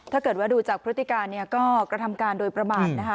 ถ้าเกิดว่าดูจากพฤติการเนี่ยก็กระทำการโดยประมาทนะคะ